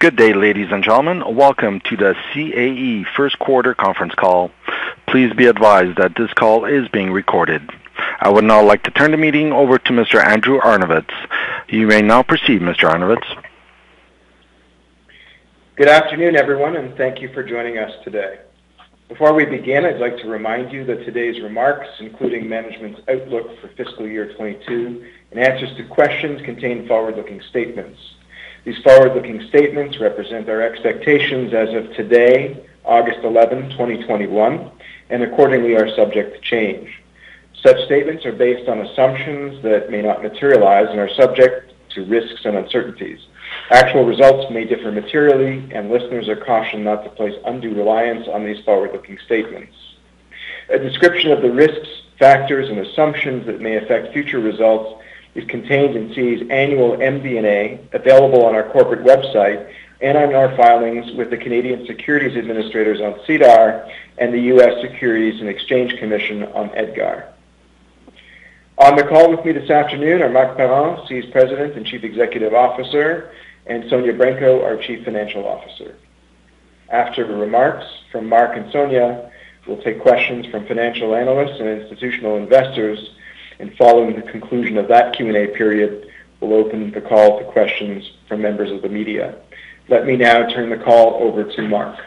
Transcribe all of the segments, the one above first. Good day, ladies and gentlemen. Welcome to the CAE Q1 conference call. Please be advised that this call is being recorded. I would now like to turn the meeting over to Mr. Andrew Arnovitz. You may now proceed, Mr. Arnovitz. Good afternoon, everyone, and thank you for joining us today. Before we begin, I'd like to remind you that today's remarks, including management's outlook for fiscal year 2022 and answers to questions, contain forward-looking statements. These forward-looking statements represent our expectations as of today, August 11, 2021, and accordingly are subject to change. Such statements are based on assumptions that may not materialize and are subject to risks and uncertainties. Actual results may differ materially, and listeners are cautioned not to place undue reliance on these forward-looking statements. A description of the risks, factors, and assumptions that may affect future results is contained in CAE's annual MD&A, available on our corporate website and in our filings with the Canadian Securities Administrators on SEDAR and the U.S. Securities and Exchange Commission on EDGAR. On the call with me this afternoon are Marc Parent, CAE's President and Chief Executive Officer, and Sonya Branco, our Chief Financial Officer. After the remarks from Marc and Sonya, we'll take questions from financial analysts and institutional investors, and following the conclusion of that Q&A period, we'll open the call to questions from members of the media. Let me now turn the call over to Marc.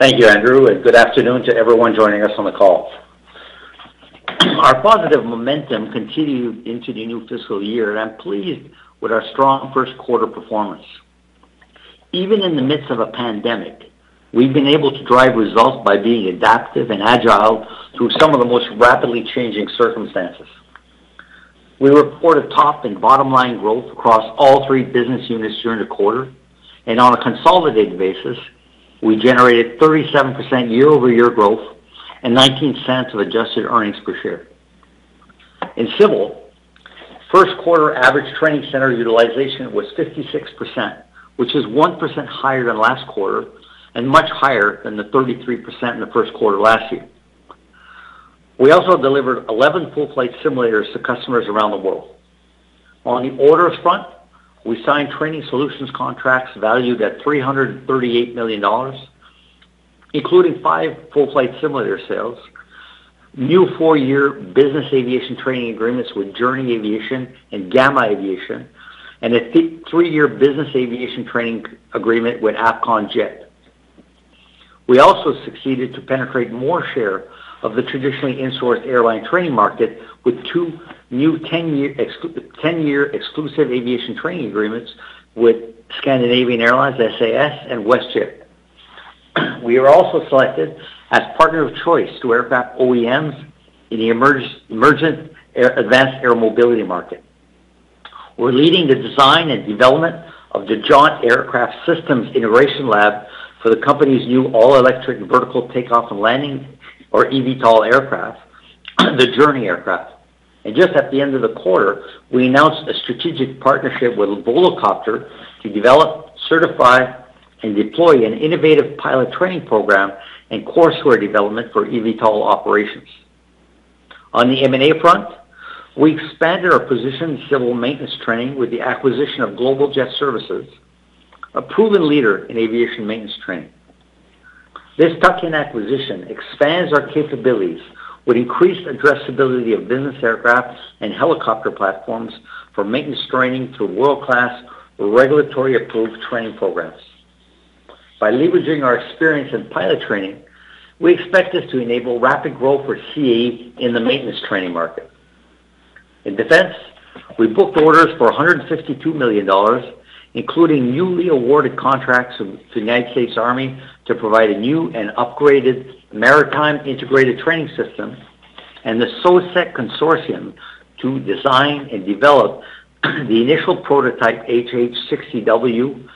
Thank you, Andrew. Good afternoon to everyone joining us on the call. Our positive momentum continued into the new fiscal year, and I'm pleased with our strong Q1 performance. Even in the midst of a pandemic, we've been able to drive results by being adaptive and agile through some of the most rapidly changing circumstances. We reported top and bottom-line growth across all three business units during the quarter. On a consolidated basis, we generated 37% year-over-year growth and 0.19 of adjusted earnings per share. In Civil, Q1 average training center utilization was 56%, which is 1% higher than last quarter and much higher than the 33% in the Q1 last year. We also delivered 11 full-flight simulators to customers around the world. On the orders front, we signed training solutions contracts valued at 338 million dollars, including five full-flight simulator sales, new four-year business aviation training agreements with Journey Aviation and Gama Aviation, and a three-year business aviation training agreement with Avcon Jet. We also succeeded to penetrate more share of the traditionally insourced airline training market with new new 10-year exclusive aviation training agreements with Scandinavian Airlines, SAS, and WestJet. We are also selected as partner of choice to aircraft OEMs in the emergent advanced air mobility market. We're leading the design and development of the Jaunt Aircraft Systems Integration Lab for the company's new all-electric vertical take-off and landing, or eVTOL aircraft, the Journey aircraft. Just at the end of the quarter, we announced a strategic partnership with Volocopter to develop, certify, and deploy an innovative pilot training program and courseware development for eVTOL operations. On the M&A front, we expanded our position in civil maintenance training with the acquisition of GlobalJet Services, a proven leader in aviation maintenance training. This tuck-in acquisition expands our capabilities with increased addressability of business aircraft and helicopter platforms for maintenance training through world-class regulatory approved training programs. By leveraging our experience in pilot training, we expect this to enable rapid growth for CAE in the maintenance training market. In defense, we booked orders for 162 million dollars, including newly awarded contracts to the United States Army to provide a new and upgraded maritime integrated training system and the SOSSEC consortium to design and develop the initial prototype HH-60W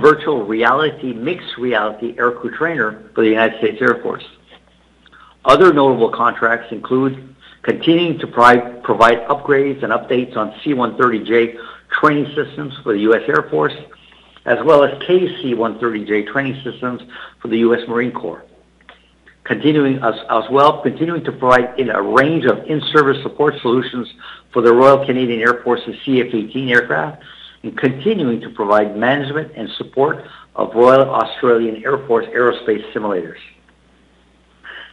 virtual reality, mixed reality aircrew trainer for the United States Air Force. Other notable contracts include continuing to provide upgrades and updates on C-130J training systems for the U.S. Air Force, as well as KC-130J training systems for the U.S. Marine Corps. Continuing to provide a range of in-service support solutions for the Royal Canadian Air Force's CF-18 aircraft and continuing to provide management and support of Royal Australian Air Force aerospace simulators.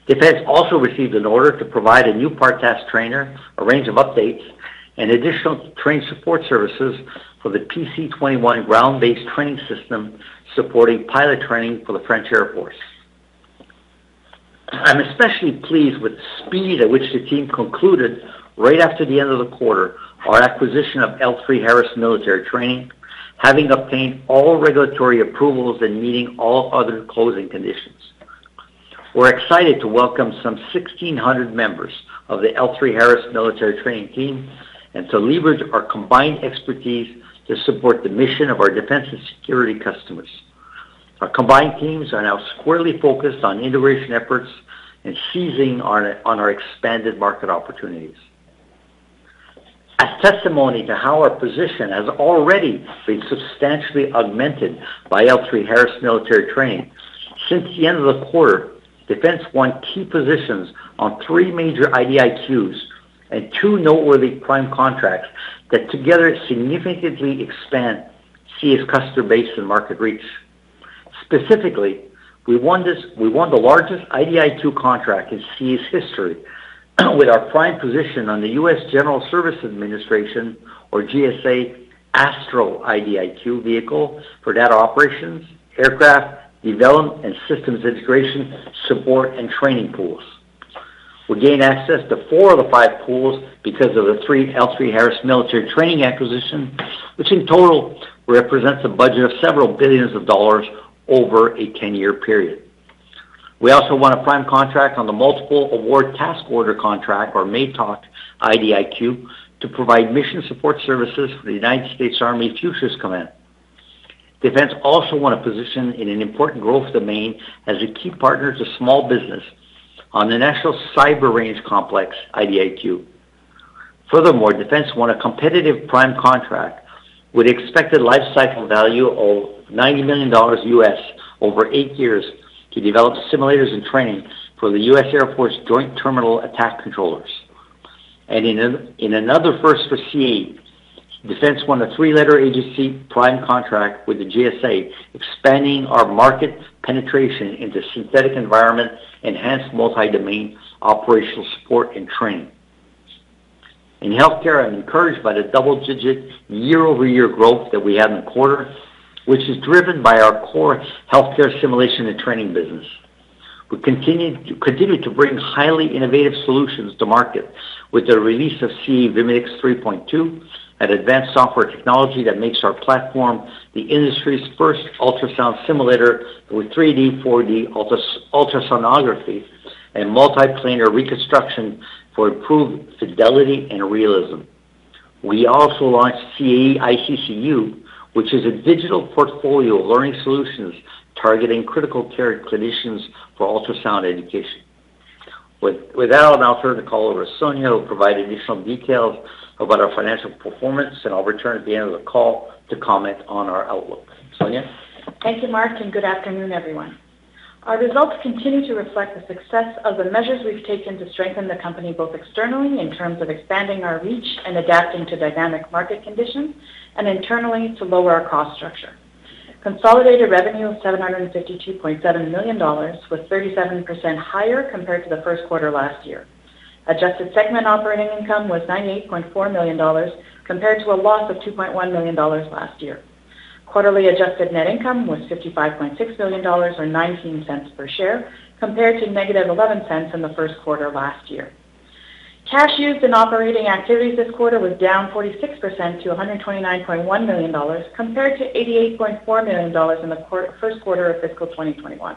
Defense also received an order to provide a new part task trainer, a range of updates, and additional training support services for the PC-21 ground-based training system supporting pilot training for the French Air Force. I'm especially pleased with the speed at which the team concluded, right after the end of the quarter, our acquisition of L3Harris Military Training, having obtained all regulatory approvals and meeting all other closing conditions. We're excited to welcome some 1,600 members of the L3Harris Military Training team and to leverage our combined expertise to support the mission of our defense and security customers. Our combined teams are now squarely focused on integration efforts and seizing on our expanded market opportunities. As testimony to how our position has already been substantially augmented by L3Harris Military Training. Since the end of the quarter, defense won key positions on three major IDIQs and two noteworthy prime contracts that together significantly expand CAE's customer base and market reach. Specifically, we won the largest IDIQ contract in CAE's history with our prime position on the U.S. General Services Administration, or GSA, ASTRO IDIQ vehicle for data operations, aircraft development, and systems integration support, and training pools. We gain access to four of the five pools because of the the L3Harris Military Training acquisition, which in total represents a budget of several billions of dollars over a 10-year period. We also won a prime contract on the Multiple Award Task Order Contract, or MATOC, IDIQ to provide mission support services for the United States Army Futures Command. Defense also won a position in an important growth domain as a key partner to small business on the National Cyber Range Complex IDIQ. Furthermore, Defense won a competitive prime contract with expected life cycle value of $90 million over eight years to develop simulators and training for the U.S. Air Force Joint Terminal Attack Controllers. In another first for CAE, Defense won a three-letter agency prime contract with the GSA, expanding our market penetration into synthetic environment, enhanced multi-domain operational support and training. In healthcare, I'm encouraged by the double-digit year-over-year growth that we had in the quarter, which is driven by our core healthcare simulation and training business. We continue to bring highly innovative solutions to market with the release of CAE Vimedix 3.2, an advanced software technology that makes our platform the industry's first ultrasound simulator with 3D, 4D ultrasonography, and multiplanar reconstruction for improved fidelity and realism. We also launched CAE ICCU, which is a digital portfolio of learning solutions targeting critical care clinicians for ultrasound education. With that, I'll now turn the call over to Sonya, who will provide additional details about our financial performance, and I'll return at the end of the call to comment on our outlook. Sonya? Thank you, Marc Parent, and good afternoon, everyone. Our results continue to reflect the success of the measures we've taken to strengthen the company, both externally in terms of expanding our reach and adapting to dynamic market conditions, and internally to lower our cost structure. Consolidated revenue of 752.7 million dollars was 37% higher compared to the Q1 last year. Adjusted segment operating income was 98.4 million dollars, compared to a loss of 2.1 million dollars last year. Quarterly adjusted net income was 55.6 million dollars, or 0.19 per share, compared to negative 0.11 in the Q1 last year. Cash used in operating activities this quarter was down 46% to 129.1 million dollars, compared to 88.4 million dollars in the Q1 of fiscal 2021.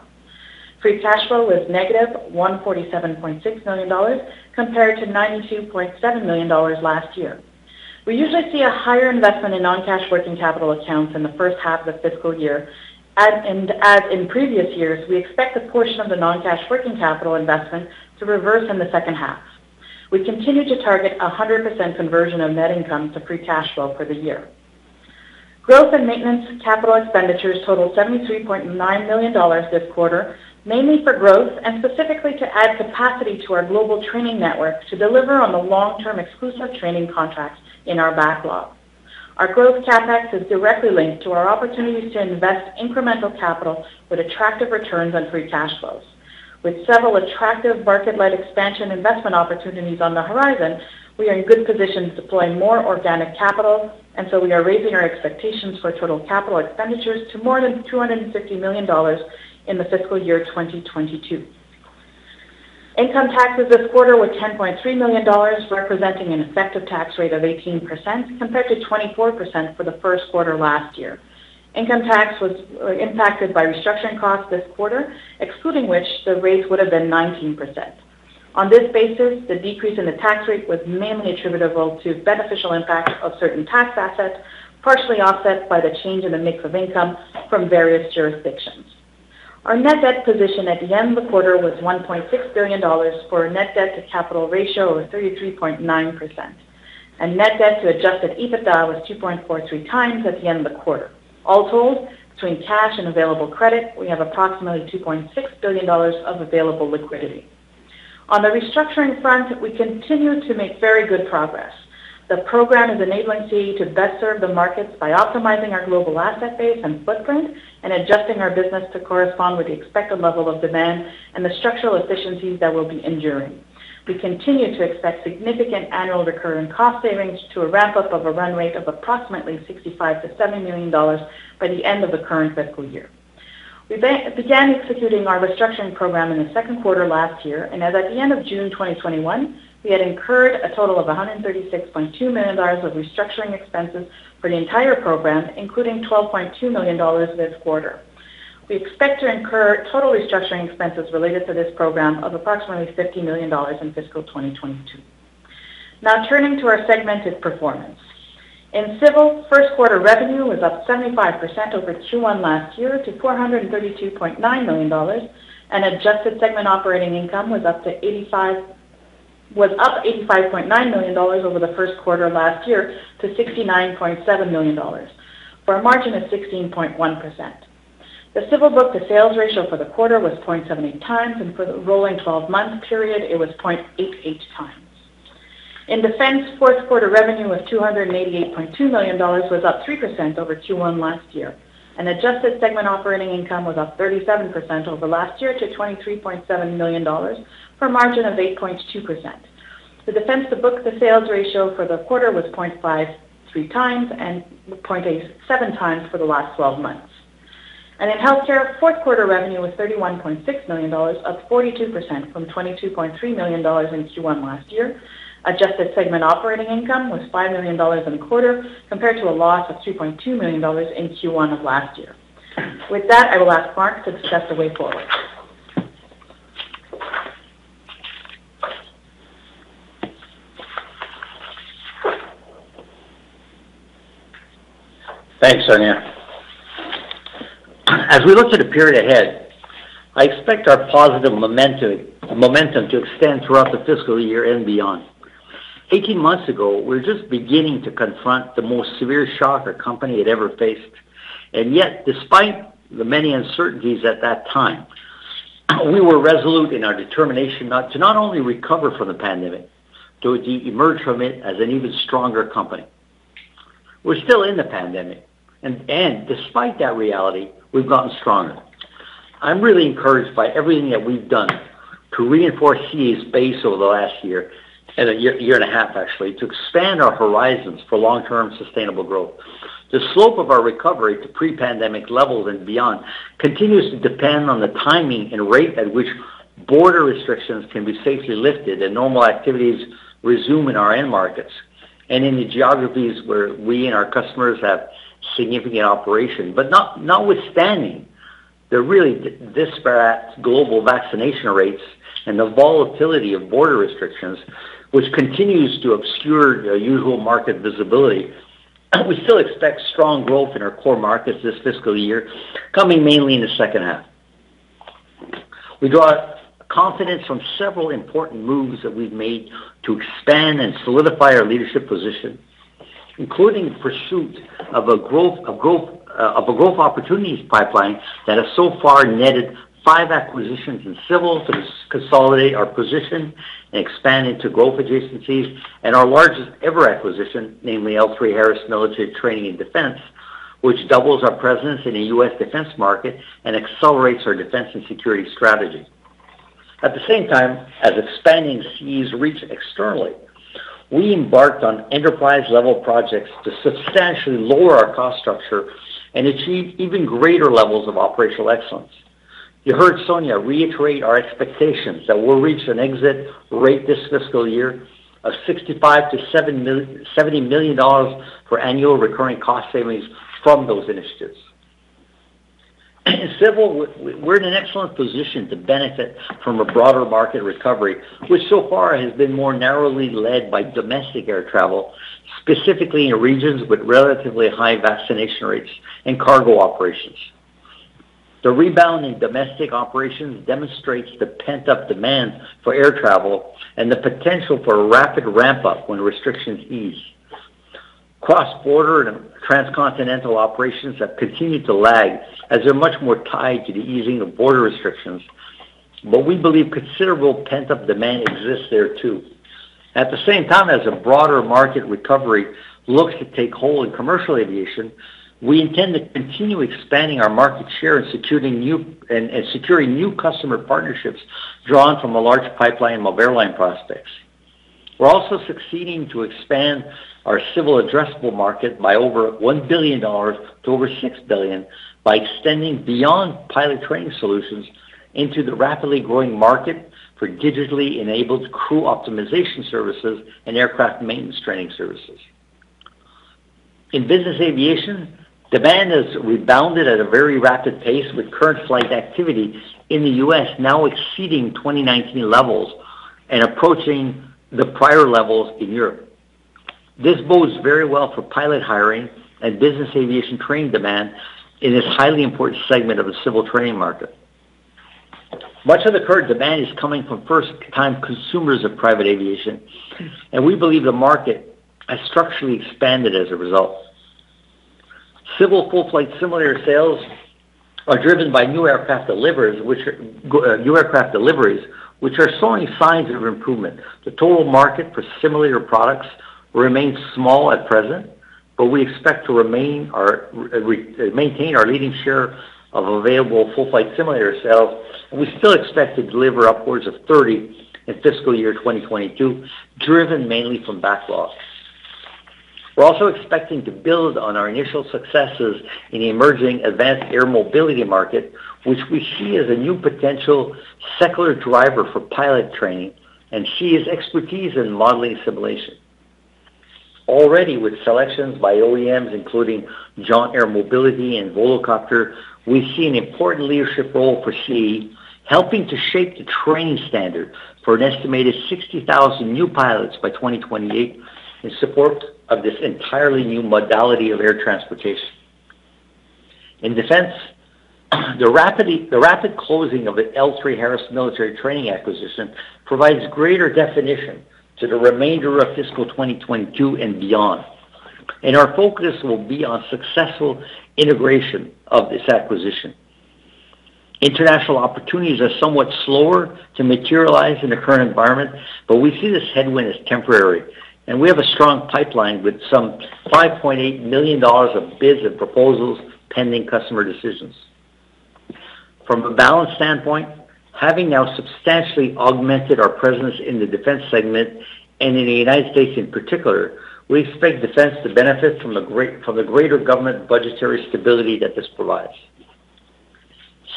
Free cash flow was -147.6 million dollars, compared to 92.7 million dollars last year. We usually see a higher investment in non-cash working capital accounts in the first half of the fiscal year. As in previous years, we expect a portion of the non-cash working capital investment to reverse in the second half. We continue to target 100% conversion of net income to free cash flow for the year. Growth and maintenance capital expenditures totaled 73.9 million dollars this quarter, mainly for growth and specifically to add capacity to our global training network to deliver on the long-term exclusive training contracts in our backlog. Our growth CapEx is directly linked to our opportunities to invest incremental capital with attractive returns on free cash flows. With several attractive market-led expansion investment opportunities on the horizon, we are in good position to deploy more organic capital, we are raising our expectations for total CapEx to more than 250 million dollars in the fiscal year 2022. Income taxes this quarter were 10.3 million dollars, representing an effective tax rate of 18%, compared to 24% for the Q1 last year. Income tax was impacted by restructuring costs this quarter, excluding which the rates would have been 19%. On this basis, the decrease in the tax rate was mainly attributable to beneficial impacts of certain tax assets, partially offset by the change in the mix of income from various jurisdictions. Our net debt position at the end of the quarter was 1.6 billion dollars for a net debt to capital ratio of 33.9%. Net debt to adjusted EBITDA was 2.43x at the end of the quarter. All told, between cash and available credit, we have approximately 2.6 billion dollars of available liquidity. On the restructuring front, we continue to make very good progress. The program is enabling CAE to best serve the markets by optimizing our global asset base and footprint and adjusting our business to correspond with the expected level of demand and the structural efficiencies that will be enduring. We continue to expect significant annual recurring cost savings to a ramp-up of a run rate of approximately 65 million-70 million dollars by the end of the current fiscal year. The journey started at our program in the Q2 last year and as at the end of June 2021, we had incurred a total of 136.2 million dollars of restructuring expenses for the entire program, including 12.2 million dollars this quarter. We expect to incur total restructuring expenses related to this program of approximately 50 million dollars in fiscal 2022. Turning to our segmented performance. In Civil, Q1 revenue was up 75% over Q1 last year to 432.9 million dollars, and adjusted segment operating income was up 85.9 million dollars over the Q1 last year to 69.7 million dollars for a margin of 16.1%. The Civil book-to-sales ratio for the quarter was 0.78x, and for the rolling 12-month period, it was 0.88x. In Defense, Q4 revenue was 288.2 million dollars, was up 3% over Q1 last year, and adjusted segment operating income was up 37% over last year to 23.7 million dollars, for a margin of 8.2%. The Defense book-to-sales ratio for the quarter was 0.53x and 0.87x for the last 12 months. In healthcare,Q4 revenue was 31.6 million dollars, up 42% from 22.3 million dollars in Q1 last year. Adjusted segment operating income was 5 million dollars in the quarter, compared to a loss of 3.2 million dollars in Q1 of last year. With that, I will ask Marc to discuss the way forward. Thanks, Sonya. As we look to the period ahead, I expect our positive momentum to extend throughout the fiscal year and beyond. 18 months ago, we were just beginning to confront the most severe shock our company had ever faced. Yet, despite the many uncertainties at that time, we were resolute in our determination to not only recover from the pandemic, but to emerge from it as an even stronger company. We're still in the pandemic. Despite that reality, we've gotten stronger. I'm really encouraged by everything that we've done to reinforce CAE's base over the last year, and 1.5 years actually, to expand our horizons for long-term sustainable growth. The slope of our recovery to pre-pandemic levels and beyond continues to depend on the timing and rate at which border restrictions can be safely lifted, and normal activities resume in our end markets and in the geographies where we and our customers have significant operations. Notwithstanding the really disparate global vaccination rates and the volatility of border restrictions, which continues to obscure the usual market visibility, we still expect strong growth in our core markets this fiscal year, coming mainly in the H2. We draw confidence from several important moves that we've made to expand and solidify our leadership position, including pursuit of a growth opportunities pipeline that has so far netted five acquisitions in civil to consolidate our position and expand into growth adjacencies, and our largest ever acquisition, namely L3Harris Military Training and Defense, which doubles our presence in the U.S. defense market and accelerates our defense and security strategy. At the same time, as expanding CAE's reach externally, we embarked on enterprise-level projects to substantially lower our cost structure and achieve even greater levels of operational excellence. You heard Sonya reiterate our expectations that we'll reach an exit rate this fiscal year of 65 million-70 million dollars for annual recurring cost savings from those initiatives. In civil, we're in an excellent position to benefit from a broader market recovery, which so far has been more narrowly led by domestic air travel, specifically in regions with relatively high vaccination rates and cargo operations. The rebound in domestic operations demonstrates the pent-up demand for air travel and the potential for a rapid ramp-up when restrictions ease. Cross-border and transcontinental operations have continued to lag as they're much more tied to the easing of border restrictions. We believe considerable pent-up demand exists there, too. At the same time as a broader market recovery looks to take hold in commercial aviation, we intend to continue expanding our market share and securing new customer partnerships drawn from a large pipeline of airline prospects. We're also succeeding to expand our civil addressable market by over 1 billion dollars to over 6 billion by extending beyond pilot training solutions into the rapidly growing market for digitally enabled crew optimization services and aircraft maintenance training services. In business aviation, demand has rebounded at a very rapid pace, with current flight activity in the U.S. now exceeding 2019 levels and approaching the prior levels in Europe. This bodes very well for pilot hiring and business aviation training demand in this highly important segment of the civil training market. Much of the current demand is coming from first-time consumers of private aviation, and we believe the market has structurally expanded as a result. Civil full-flight simulator sales are driven by new aircraft deliveries, which are showing signs of improvement. The total market for simulator products remains small at present, but we expect to maintain our leading share of available full-flight simulator sales, and we still expect to deliver upwards of 30 in fiscal year 2022, driven mainly from backlogs. We're also expecting to build on our initial successes in the emerging advanced air mobility market, which we see as a new potential secular driver for pilot training and CAE's expertise in modeling simulation. Already with selections by OEMs, including Joby Aviation and Volocopter, we see an important leadership role for CAE, helping to shape the training standard for an estimated 60,000 new pilots by 2028 in support of this entirely new modality of air transportation. In defense, the rapid closing of the L3Harris Military Training acquisition provides greater definition to the remainder of fiscal 2022 and beyond. Our focus will be on successful integration of this acquisition. International opportunities are somewhat slower to materialize in the current environment, but we see this headwind as temporary. We have a strong pipeline with some 5.8 million dollars of bids and proposals pending customer decisions. From a balance standpoint, having now substantially augmented our presence in the defense segment and in the United States in particular, we expect defense to benefit from the greater government budgetary stability that this provides.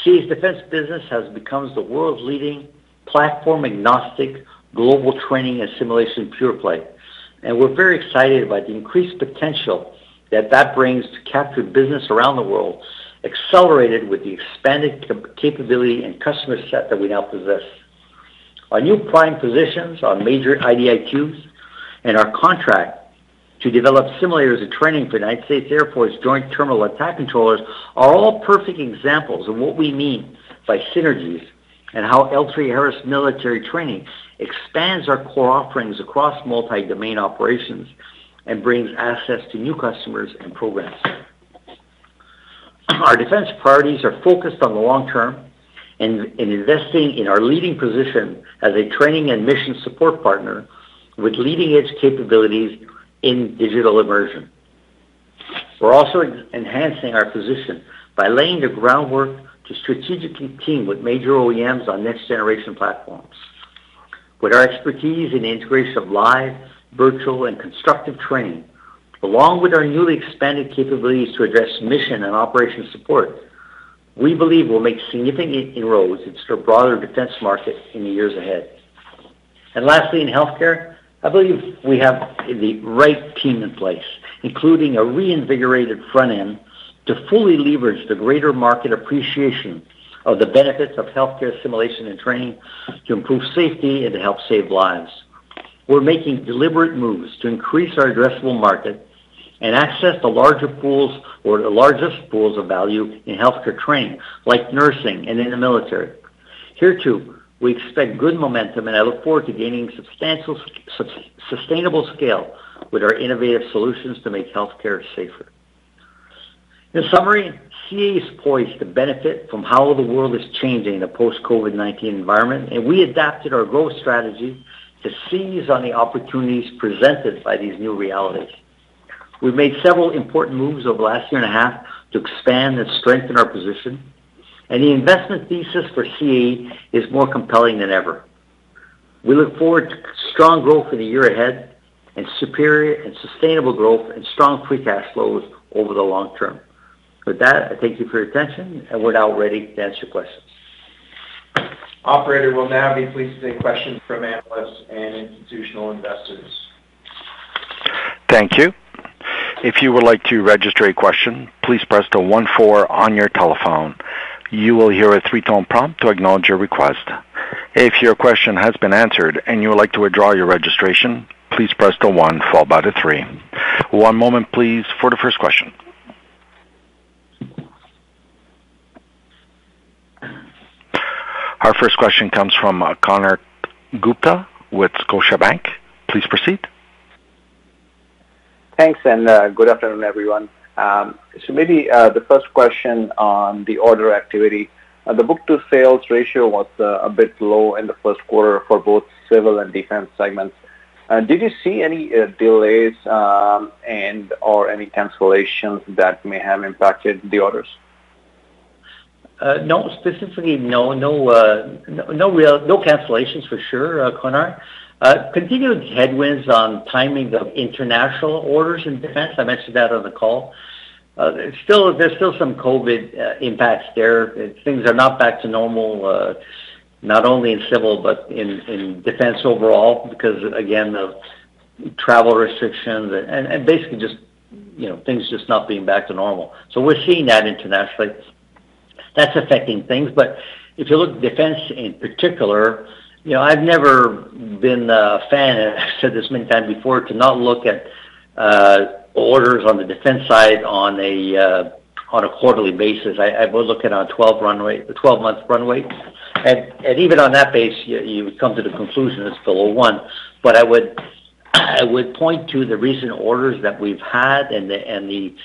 CAE's defense business has become the world's leading platform-agnostic global training and simulation pure-play. We are very excited about the increased potential that that brings to capture business around the world, accelerated with the expanded capability and customer set that we now possess. Our new prime positions on major IDIQs and our contract to develop simulators and training for the United States Air Force Joint Terminal Attack Controllers are all perfect examples of what we mean by synergies and how L3Harris Military Training expands our core offerings across multi-domain operations and brings access to new customers and programs. Our defense priorities are focused on the long term and investing in our leading position as a training and mission support partner with leading-edge capabilities in digital immersion. We're also enhancing our position by laying the groundwork to strategically team with major OEMs on next-generation platforms. With our expertise in the integration of live, virtual, and constructive training, along with our newly expanded capabilities to address mission and operation support, we believe we'll make significant inroads into the broader defense market in the years ahead. Lastly, in healthcare, I believe we have the right team in place, including a reinvigorated front end to fully leverage the greater market appreciation of the benefits of healthcare simulation and training to improve safety and to help save lives. We're making deliberate moves to increase our addressable market and access the largest pools of value in healthcare training, like nursing and in the military. Here too, we expect good momentum, and I look forward to gaining substantial, sustainable scale with our innovative solutions to make healthcare safer. In summary, CAE is poised to benefit from how the world is changing in a post-COVID-19 environment, and we adapted our growth strategy to seize on the opportunities presented by these new realities. We've made several important moves over the 1.5 years to expand and strengthen our position. The investment thesis for CAE is more compelling than ever. We look forward to strong growth in the year ahead and superior and sustainable growth and strong free cash flows over the long term. With that, I thank you for your attention, and we're now ready to answer your questions. Operator, we will now be pleased to take questions from analysts and institutional investors. Thank you. If you would like to register a question, please press star one four on your telephone. You will hear a three tone prompt to acknowledge your request. If your question has been answered and you would like to withdraw your registration, please press star four. One moment please fo the first question. Our first question comes from Konark Gupta with Scotiabank. Please proceed. Thanks, good afternoon, everyone. Maybe the first question on the order activity. The book-to-sales ratio was a bit low in the Q1 for both civil and defense segments. Did you see any delays and/or any cancellations that may have impacted the orders? No. Specifically, no cancellations for sure, Konark. Continued headwinds on timing of international orders in defense, I mentioned that on the call. There's still some COVID impacts there. Things are not back to normal, not only in civil, but in defense overall because, again, the travel restrictions and basically just things just not being back to normal. We're seeing that internationally. That's affecting things. If you look at defense in particular, I've never been a fan, I said this many times before, to not look at orders on the defense side on a quarterly basis. I would look at a 12-month runway. Even on that base, you would come to the conclusion it's below one. I would point to the recent orders that we've had and the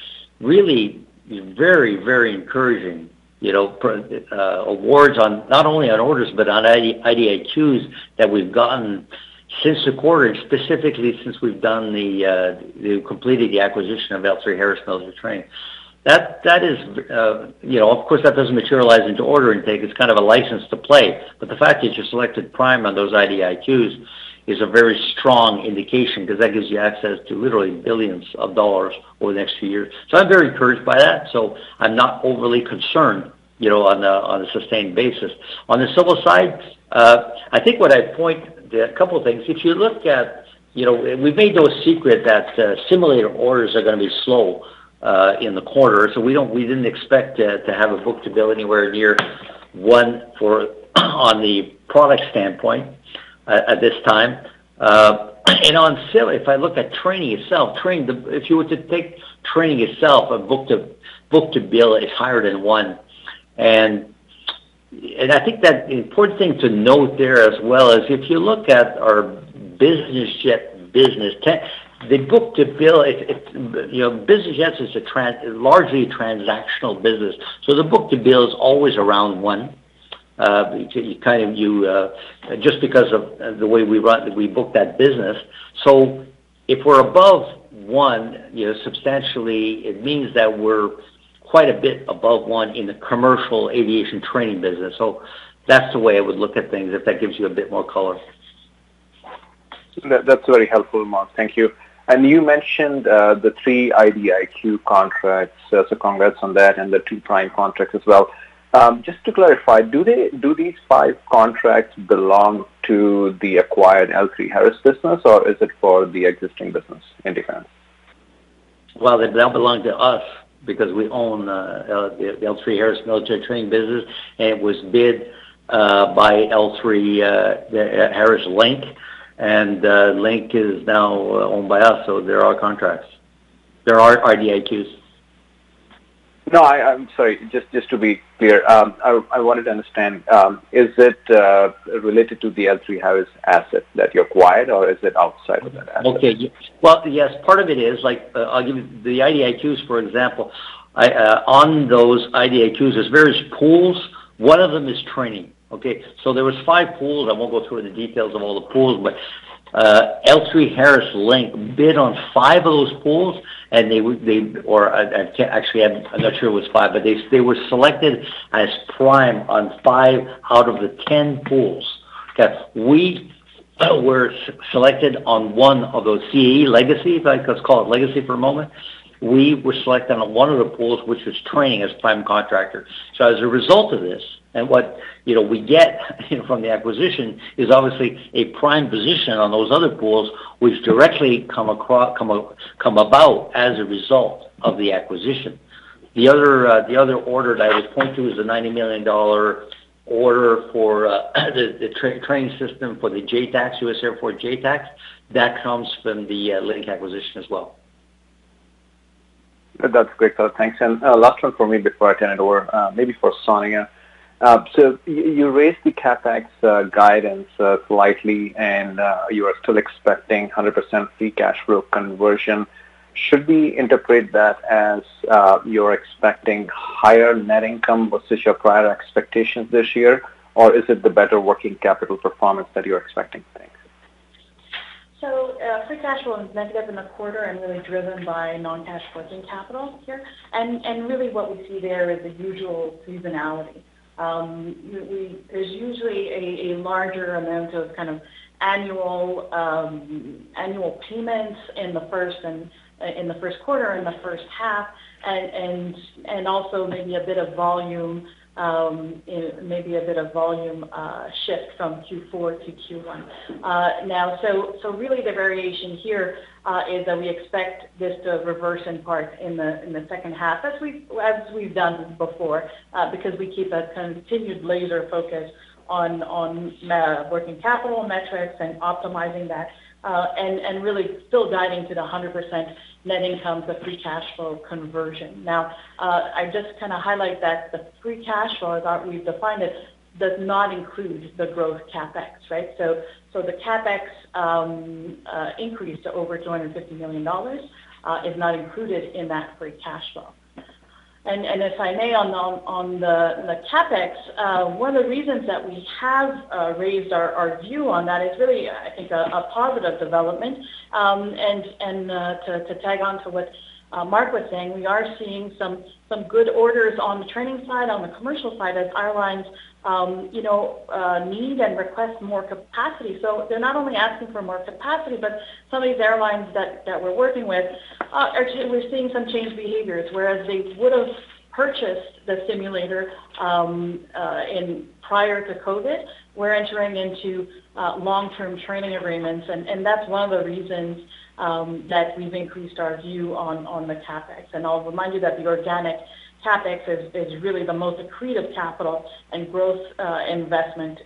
really very encouraging awards, not only on orders, but on IDIQs that we've gotten since the quarter, specifically since we've completed the acquisition of L3Harris Military Training. Of course, that doesn't materialize into order intake. It's kind of a license to play. The fact that you're selected prime on those IDIQs is a very strong indication because that gives you access to literally billions of dollars over the next few years. I'm very encouraged by that. I'm not overly concerned on a sustained basis. On the civil side, I think what I'd point, there are a couple of things. We've made no secret that simulator orders are going to be slow in the quarter. We didn't expect to have a book to bill anywhere near one on the product standpoint. At this time. On sale, if I look at training itself, if you were to take training itself, a book-to-bill is higher than one. I think that the important thing to note there as well is if you look at our business jet business, the book to bill, business jets is a largely transactional business. The book-to-bill is always around one, just because of the way we book that business. If we're above one substantially, it means that we're quite a bit above one in the commercial aviation training business. That's the way I would look at things, if that gives you a bit more color. That's very helpful, Marc. Thank you. You mentioned the three IDIQ contracts, so congrats on that and the two prime contracts as well. Just to clarify, do these five contracts belong to the acquired L3Harris business, or is it for the existing business in defense? Well, they now belong to us because we own the L3Harris Military Training business, and it was bid by L3Harris Link. Link is now owned by us, so they're our contracts. They're our IDIQs. No, I'm sorry. Just to be clear. I wanted to understand, is it related to the L3Harris asset that you acquired, or is it outside of that asset? Yes, part of it is. The IDIQs, for example, on those IDIQs, there's various pools. One of them is training. Okay? There was five pools. I won't go through the details of all the pools, L3Harris Link bid on fove of those pools, or actually, I'm not sure it was five, they were selected as prime on five out of the 10 pools. Okay? We were selected on 1 of those CAE legacy, let's call it legacy for a moment. We were selected on one of the pools, which is training as prime contractor. As a result of this, what we get from the acquisition is obviously a prime position on those other pools, which directly come about as a result of the acquisition. The other order that I would point to is the $90 million order for the training system for the JTACs, U.S. Air Force JTACs. That comes from the Link acquisition as well. That's great. Thanks. Last one for me before I turn it over. Maybe for Sonya. You raised the CapEx guidance slightly, and you are still expecting 100% free cash flow conversion. Should we interpret that as you're expecting higher net income versus your prior expectations this year, or is it the better working capital performance that you're expecting? Thanks. Free cash flow is negative in the quarter and really driven by non-cash working capital here. Really what we see there is the usual seasonality. There's usually a larger amount of annual payments in the Q1 and the H1 and also maybe a bit of volume shift from Q4 to Q1. Really the variation here is that we expect this to reverse in part in the H2 as we've done before because we keep a continued laser focus on working capital metrics and optimizing that and really still guiding to the 100% net income to free cash flow conversion. I just highlight that the free cash flow, as we've defined it, does not include the growth CapEx. Right? The CapEx increase to over 250 million dollars is not included in that free cash flow. If I may, on the CapEx, one of the reasons that we have raised our view on that is really, I think, a positive development. To tag on to what Marc was saying, we are seeing some good orders on the training side, on the commercial side as airlines need and request more capacity. They're not only asking for more capacity, but some of these airlines that we're working with, we're seeing some changed behaviors. Whereas they would've purchased the simulator prior to COVID, we're entering into long-term training agreements. That's one of the reasons that we've increased our view on the CapEx. I'll remind you that the organic CapEx is really the most accretive capital and growth investment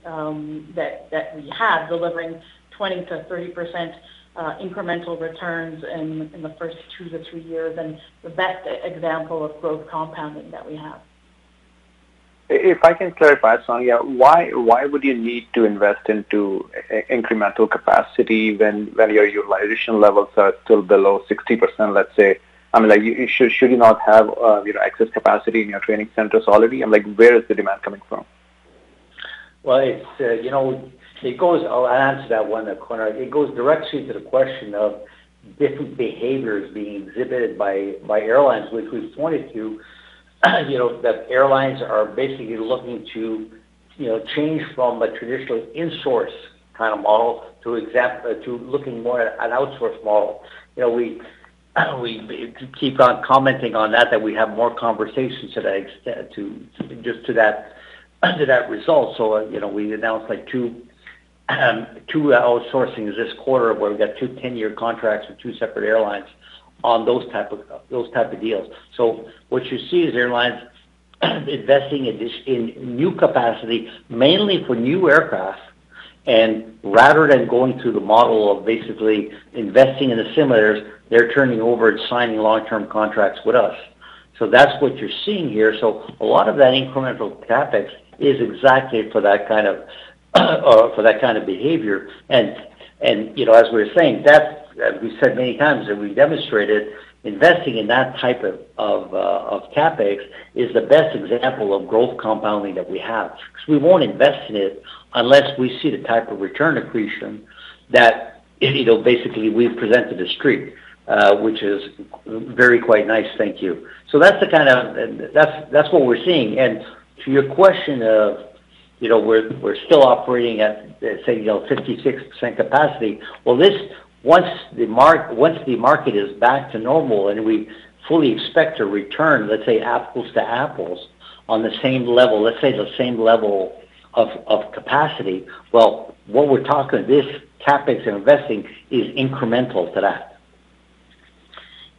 that we have, delivering 20%-30% incremental returns in the first two to three years and the best example of growth compounding that we have. If I can clarify, Sonya, why would you need to invest into incremental capacity when your utilization levels are still below 60%, let's say? Should you not have excess capacity in your training centers already? Where is the demand coming from? Well, I'll answer that one, Konark. It goes directly to the question of different behaviors being exhibited by airlines, which we've pointed to, that airlines are basically looking to change from a traditional insource kind of model to looking more at an outsource model. We keep on commenting on that we have more conversations just to that result. We announced two outsourcings this quarter where we got two 10-year contracts with two separate airlines on those type of deals. What you see is airlines investing in new capacity mainly for new aircraft. Rather than going through the model of basically investing in the simulators, they're turning over and signing long-term contracts with us. That's what you're seeing here. A lot of that incremental CapEx is exactly for that kind of behavior. As we're saying, that we said many times, and we demonstrated investing in that type of CapEx is the best example of growth compounding that we have, because we won't invest in it unless we see the type of return accretion that basically we've presented to Street, which is very quite nice. Thank you. That's what we're seeing. To your question of we're still operating at, say, 56% capacity. Well, once the market is back to normal and we fully expect to return, let's say, apples to apples on the same level, let's say the same level of capacity, well, what we're talking this CapEx and investing is incremental to that.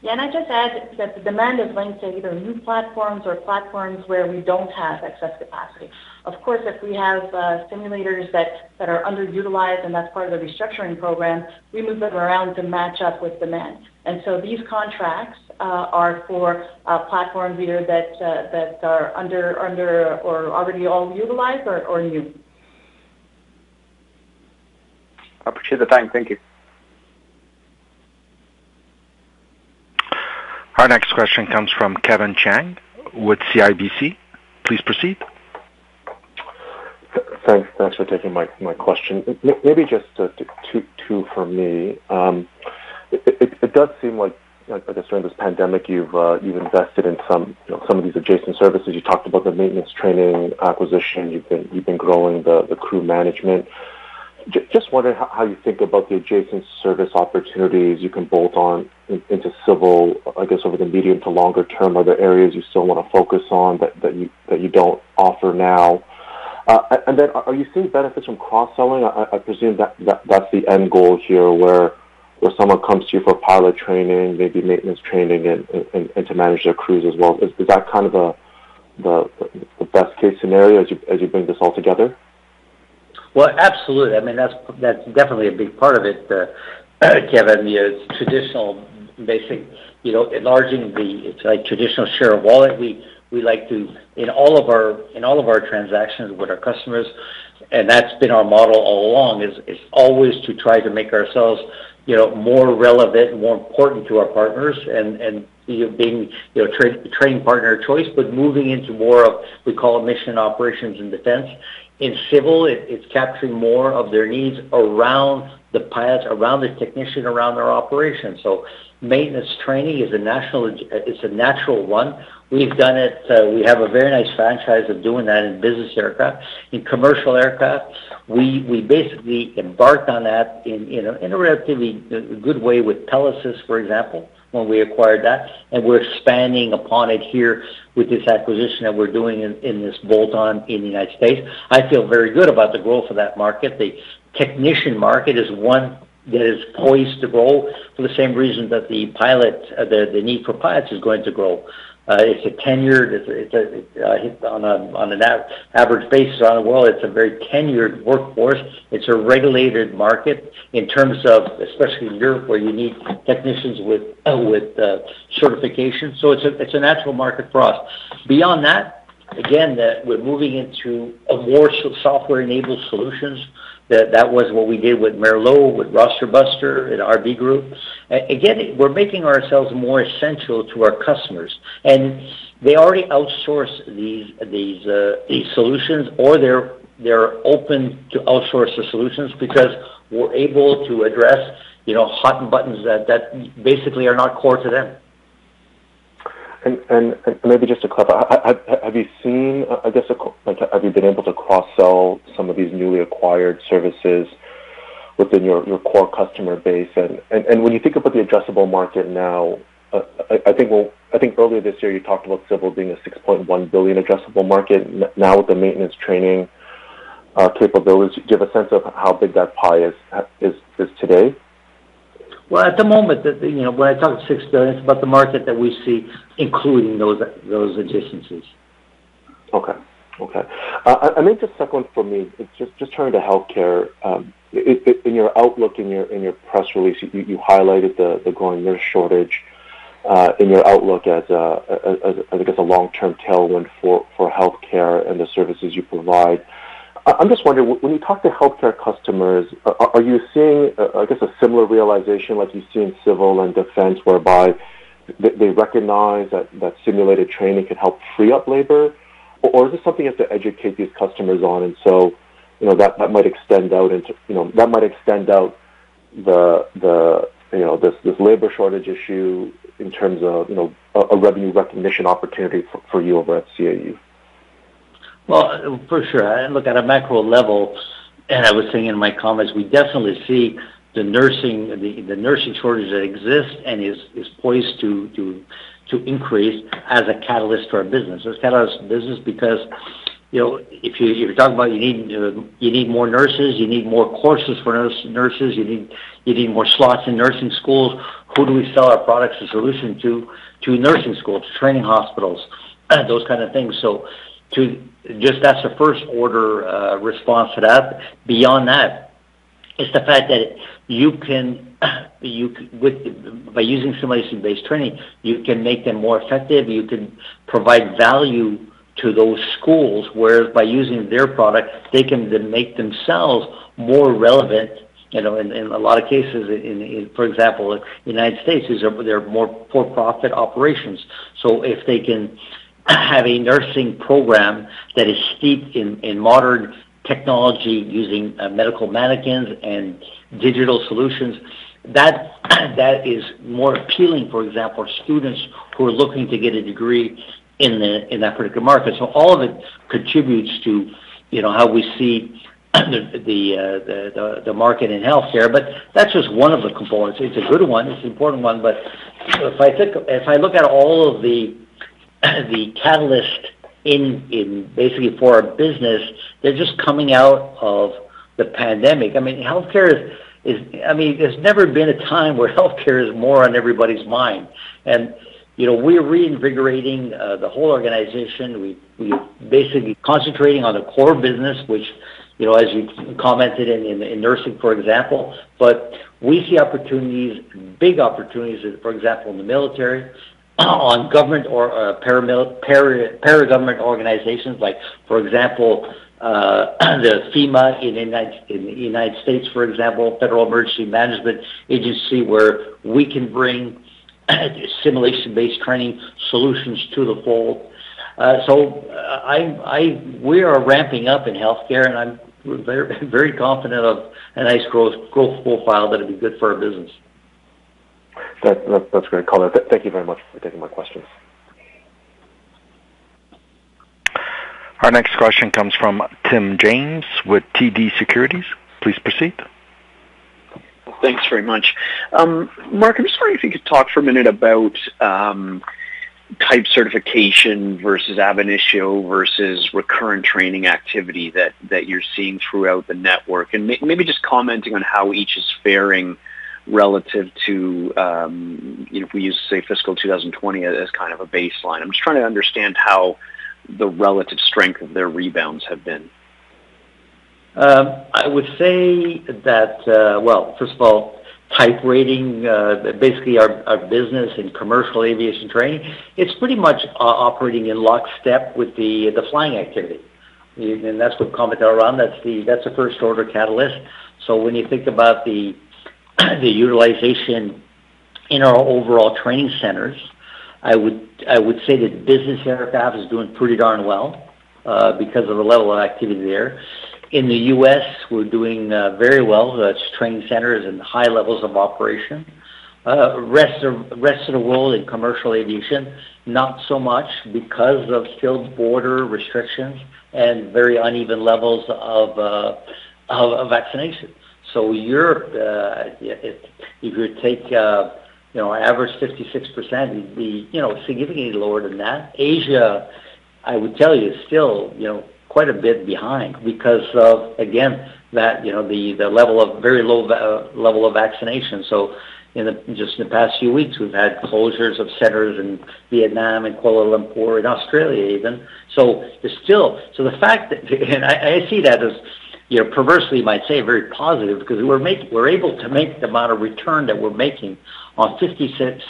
Yeah, I just add that the demand is linked to either new platforms or platforms where we don't have excess capacity. Of course, if we have simulators that are underutilized, and that's part of the restructuring program, we move them around to match up with demand. These contracts are for platforms either that are under or already all utilized or new. I appreciate the time. Thank you. Our next question comes from Kevin Chiang with CIBC. Please proceed. Thanks for taking my question. Maybe just two from me. It does seem like, I guess during this pandemic, you've invested in some of these adjacent services. You talked about the maintenance training acquisition. You've been growing the crew management. I'm just wondering how you think about the adjacent service opportunities you can bolt on into civil, I guess, over the medium to longer term. Are there areas you still want to focus on that you don't offer now? Are you seeing benefits from cross-selling? I presume that's the end goal here where someone comes to you for pilot training, maybe maintenance training, and to manage their crews as well. Is that kind of the best-case scenario as you bring this all together? Well, absolutely. That's definitely a big part of it, Kevin. It's traditional, basic enlarging the traditional share of wallet. We like to, in all of our transactions with our customers, and that's been our model all along, is always to try to make ourselves more relevant and more important to our partners and being training partner of choice, moving into more of, we call it mission operations and defense. In civil, it's capturing more of their needs around the pilots, around the technician, around their operations. Maintenance training is a natural one. We've done it. We have a very nice franchise of doing that in business aircraft. In commercial aircraft, we basically embarked on that in a relatively good way with Pelesys, for example, when we acquired that, we're expanding upon it here with this acquisition that we're doing in this bolt-on in the U.S. I feel very good about the growth of that market. The technician market is one that is poised to grow for the same reason that the need for pilots is going to grow. On an average basis around the world, it's a very tenured workforce. It's a regulated market in terms of, especially in Europe, where you need technicians with certification. It's a natural market for us. Beyond that, again, that we're moving into a more software-enabled solutions. That was what we did with Merlot Aero, with RosterBuster and RB Group. Again, we're making ourselves more essential to our customers, and they already outsource these solutions, or they're open to outsource the solutions because we're able to address hot buttons that basically are not core to them. Maybe just to clarify, have you been able to cross-sell some of these newly acquired services within your core customer base? When you think about the addressable market now, I think earlier this year you talked about civil being a 6.1 billion addressable market. Now with the maintenance training capabilities, do you have a sense of how big that pie is today? Well, at the moment, when I talk 6 billion, it's about the market that we see, including those additions. Okay. Just second one for me, just turning to healthcare. In your outlook, in your press release, you highlighted the growing nurse shortage in your outlook as, I guess, a long-term tailwind for healthcare and the services you provide. I'm just wondering, when you talk to healthcare customers, are you seeing, I guess, a similar realization like you see in civil and defense, whereby they recognize that simulated training can help free up labor? Or is this something you have to educate these customers on, that might extend out this labor shortage issue in terms of a revenue recognition opportunity for you over at CAE? Well, for sure. Look, at a macro level, and I was saying in my comments, we definitely see the nursing shortage that exists and is poised to increase as a catalyst to our business. It's a catalyst to business because. If you're talking about you need more nurses, you need more courses for nurses, you need more slots in nursing schools. Who do we sell our products and solutions to? To nursing schools, to training hospitals, those kind of things. That's the first order response to that. Beyond that, it's the fact that by using simulation-based training, you can make them more effective, you can provide value to those schools, whereas by using their product, they can then make themselves more relevant. In a lot of cases, for example, U.S., they're more for-profit operations. If they can have a nursing program that is steeped in modern technology using medical mannequins and digital solutions, that is more appealing, for example, for students who are looking to get a degree in that particular market. All of it contributes to how we see the market in healthcare, but that's just one of the components. It's a good one, it's an important one. If I look at all of the catalysts basically for our business, they're just coming out of the pandemic. There's never been a time where healthcare is more on everybody's mind. We're reinvigorating the whole organization. We are basically concentrating on the core business, which as you commented in nursing, for example. We see big opportunities, for example, in the military, on government or para-government organizations like, for example, the FEMA in the U.S., for example, Federal Emergency Management Agency, where we can bring simulation-based training solutions to the fold. We are ramping up in healthcare, and I'm very confident of a nice growth profile that'll be good for our business. That's great color. Thank you very much for taking my questions. Our next question comes from Tim James with TD Securities. Please proceed. Thanks very much. Marc, I'm just wondering if you could talk for 1 minute about type certification versus ab initio versus recurrent training activity that you're seeing throughout the network. Maybe just commenting on how each is faring relative to, if we use, say, fiscal 2020 as kind of a baseline. I'm just trying to understand how the relative strength of their rebounds have been. I would say that, first of all, type rating, basically our business in commercial aviation training, it's pretty much operating in lockstep with the flying activity. That's wha we're calling a around. That's the first order catalyst. When you think about the utilization in our overall training centers, I would say that business aircraft is doing pretty darn well because of the level of activity there. In the U.S., we're doing very well. That's training centers and high levels of operation. Rest of the world in commercial aviation, not so much because of still border restrictions and very uneven levels of vaccinations. Europe, if you take average 56%, it'd be significantly lower than that. Asia, I would tell you, is still quite a bit behind because of, again, the very low level of vaccination. In just the past few weeks, we've had closures of centers in Vietnam and Kuala Lumpur, in Australia even. The fact that I see that as perversely might say very positive because we're able to make the amount of return that we're making on 56%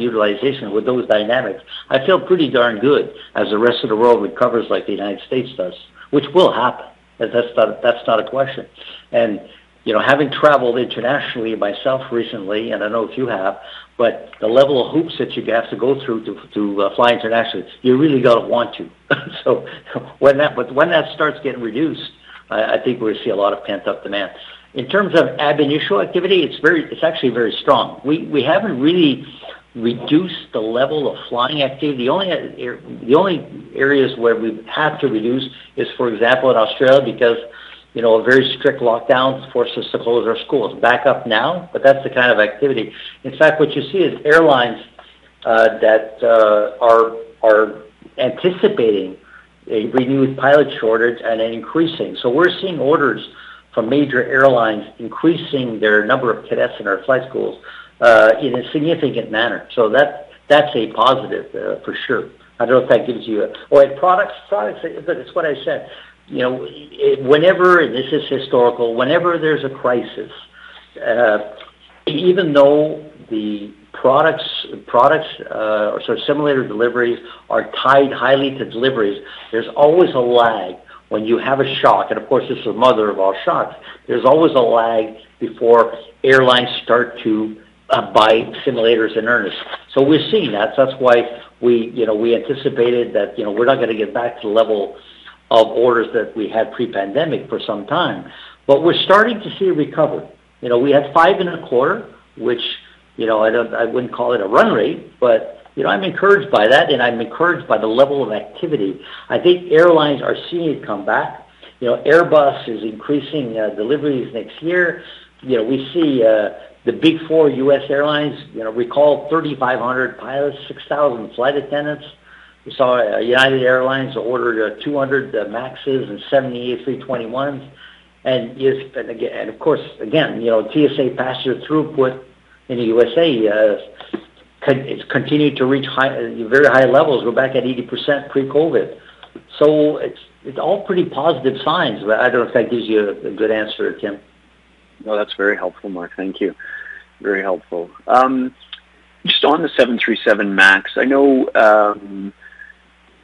utilization with those dynamics. I feel pretty darn good as the rest of the world recovers like the United States does, which will happen, as that's not a question. Having traveled internationally myself recently, and I know a few have, but the level of hoops that you have to go through to fly internationally, you really got to want to. When that starts getting reduced, I think we're going to see a lot of pent-up demand. In terms of ab initio activity, it's actually very strong. We haven't really reduced the level of flying activity. The only areas where we've had to reduce is, for example, in Australia, because a very strict lockdown forced us to close our schools. Back up now. That's the kind of activity. In fact, what you see is airlines that are anticipating a renewed pilot shortage and an increasing. We're seeing orders from major airlines increasing their number of cadets in our flight schools in a significant manner. That's a positive for sure. I don't know if that gives you. Oh, products, it's what I said. This is historical. Whenever there's a crisis, even though the simulator deliveries are tied highly to deliveries, there's always a lag when you have a shock. Of course, this is the mother of all shocks. There's always a lag before airlines start to buy simulators in earnest. We're seeing that. That's why we anticipated that we're not going to get back to the level of orders that we had pre-pandemic for some time. We're starting to see a recovery. We had five and a quarter, which I wouldn't call it a run rate, but I'm encouraged by that, and I'm encouraged by the level of activity. I think airlines are seeing a comeback. Airbus is increasing deliveries next year. We see the big four U.S. airlines recall 3,500 pilots, 6,000 flight attendants. We saw United Airlines ordered 200 MAX and 70 A321. Of course, again, TSA passenger throughput in the U.S.A. has continued to reach very high levels. We're back at 80% pre-COVID-19. It's all pretty positive signs. I don't know if that gives you a good answer, Tim. That's very helpful, Marc. Thank you. Very helpful. Just on the 737 MAX, I know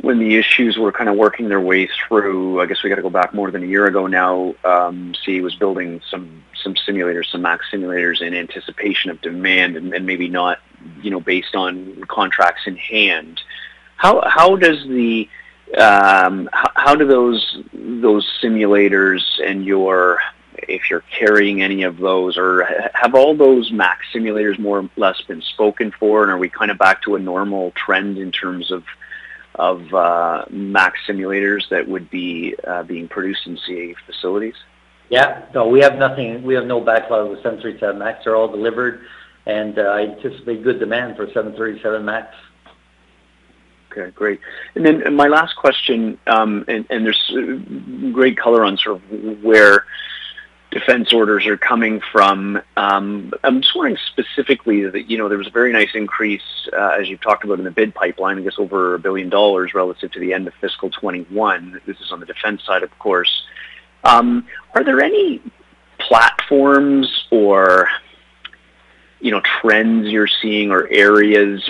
when the issues were kind of working their way through, I guess we got to go back more than a year ago now, CAE was building some MAX simulators in anticipation of demand and maybe not based on contracts in hand. How do those simulators and if you're carrying any of those, or have all those MAX simulators more or less been spoken for? Are we back to a normal trend in terms of MAX simulators that would be being produced in CAE facilities? Yeah. No, we have no backlog with 737 MAX. They're all delivered, and I anticipate good demand for 737 MAX. Okay, great. My last question, and there's great color on sort of where defense orders are coming from. I'm just wondering specifically, there was a very nice increase, as you've talked about in the bid pipeline, I guess over 1 billion dollars relative to the end of FY 2021. This is on the defense side, of course. Are there any platforms or trends you're seeing or areas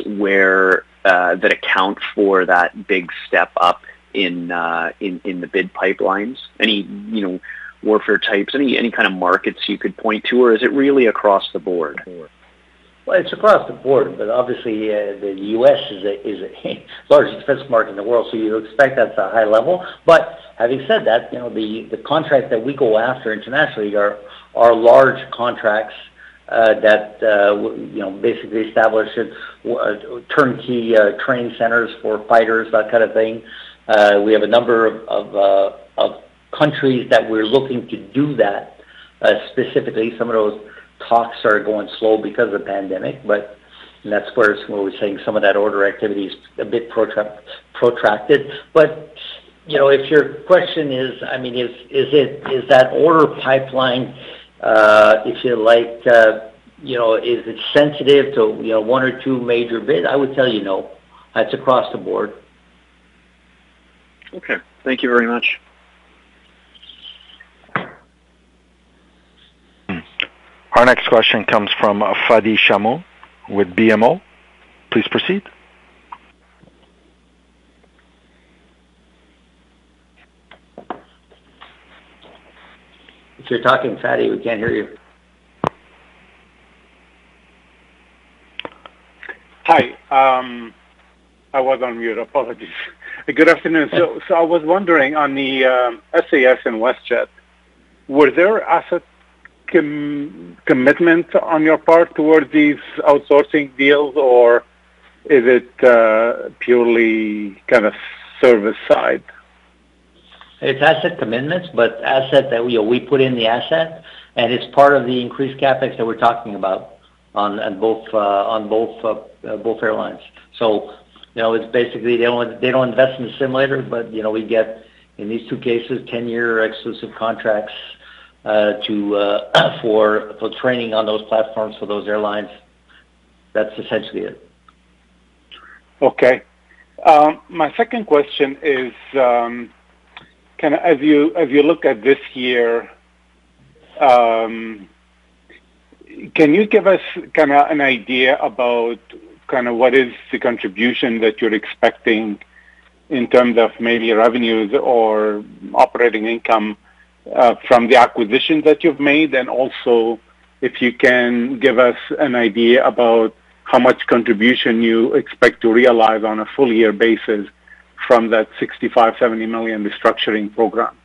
that account for that big step up in the bid pipelines? Any warfare types, any kind of markets you could point to, or is it really across the board? Well, it's across the board, but obviously, the U.S. is the largest defense market in the world, so you expect that's a high level. Having said that, the contracts that we go after internationally are large contracts that basically establish turnkey training centers for fighters, that kind of thing. We have a number of countries that we're looking to do that. Specifically, some of those talks are going slow because of the pandemic, that's where we're saying some of that order activity is a bit protracted. If your question is that order pipeline, if you like, is it sensitive to one or two major bids? I would tell you no. That's across the board. Okay. Thank you very much. Our next question comes from Fadi Chamoun with BMO. Please proceed. If you're talking, Fadi, we can't hear you. Hi. I was on mute. Apologies. Good afternoon. Yeah. I was wondering on the SAS and WestJet, were there asset commitments on your part towards these outsourcing deals, or is it purely kind of service side? It's asset commitments, but we put in the asset, and it's part of the increased CapEx that we're talking about on both airlines. It's basically they don't invest in the simulator, but we get, in these two cases, 10-year exclusive contracts for training on those platforms for those airlines. That's essentially it. Okay. My second question is, as you look at this year, can you give us an idea about what is the contribution that you're expecting in terms of maybe revenues or operating income from the acquisitions that you've made? Also, if you can give us an idea about how much contribution you expect to realize on a full year basis from that 65 million-70 million restructuring program?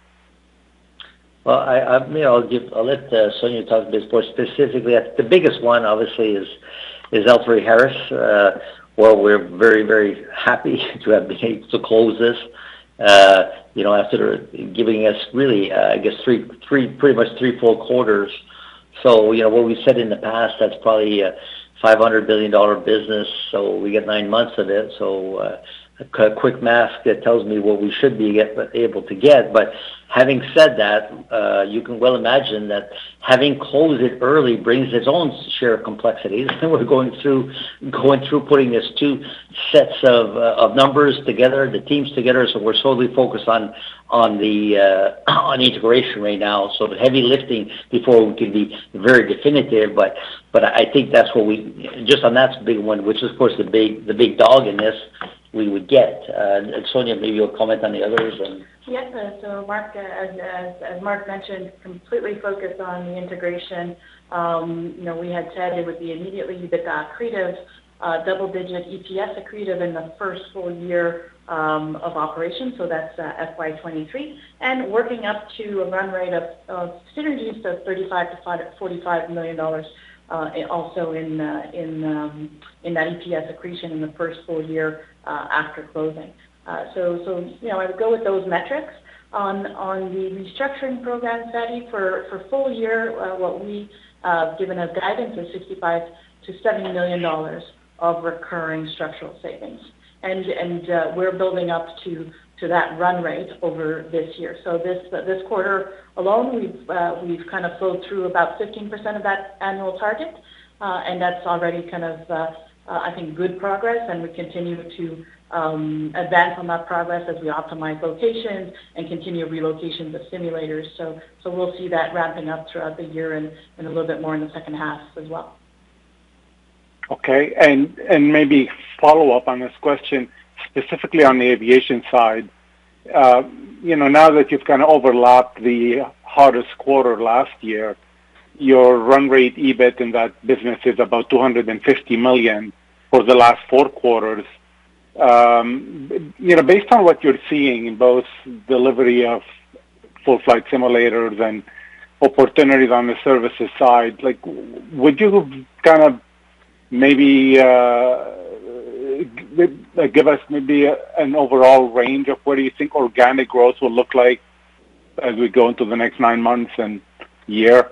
Well, I'll let Sonya talk to this more specifically. The biggest one, obviously is L3Harris, where we're very happy to have been able to close this after giving us really, I guess, pretty much three full quarters. What we said in the past, that's probably a 500 billion dollar business, we get nine months of it. A quick math that tells me what we should be able to get. Having said that, you can well imagine that having closed it early brings its own share of complexities. We're going through putting these two sets of numbers together, the teams together. We're solely focused on integration right now, so the heavy lifting before we can be very definitive. I think just on that big one, which, of course, the big dog in this, we would get. Sonya, maybe you'll comment on the others. Yes. As Marc mentioned, completely focused on the integration. We had said it would be immediately EBITDA accretive, double-digit EPS accretive in the first full year of operations, so that's FY 2023. Working up to a run rate of synergies of 35 million-45 million dollars, also in that EPS accretion in the first full year after closing. I would go with those metrics. On the restructuring program study for full year, what we have given as guidance was 65 million-70 million dollars of recurring structural savings. We're building up to that run rate over this year. This quarter alone, we've kind of flowed through about 15% of that annual target. That's already, I think, good progress, and we continue to advance on that progress as we optimize locations and continue relocations of simulators. We'll see that ramping up throughout the year and a little bit more in the second half as well. Okay. Maybe follow up on this question, specifically on the aviation side. Now that you have kind of overlapped the hardest quarter last year, your run rate EBIT in that business is about 250 million for the last four quarters. Based on what you are seeing in both delivery of full-flight simulators and opportunities on the services side, would you maybe give us maybe an overall range of what you think organic growth will look like as we go into the next 9 months and year?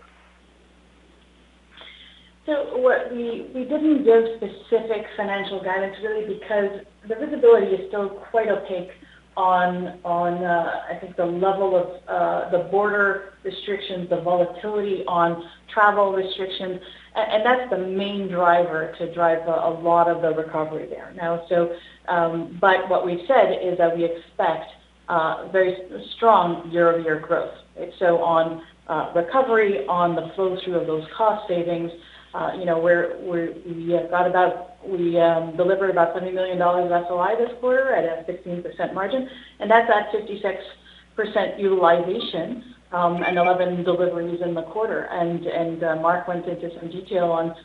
We didn't give specific financial guidance really because the visibility is still quite opaque on, I think, the level of the border restrictions, the volatility on travel restrictions. That's the main driver to drive a lot of the recovery there. What we've said is that we expect very strong year-over-year growth. On recovery, on the flow-through of those cost savings, we delivered about 70 million dollars of SOI this quarter at a 16% margin, and that's at 56% utilization, and 11 deliveries in the quarter. Marc went into some detail on